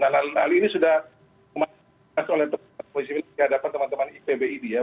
hal hal ini sudah diadakan oleh teman teman pbid ya